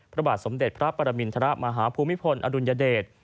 พระบาทสมเด็จพระปรมินทรมาฮภูมิพลอดุลยเดช